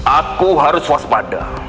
aku harus waspada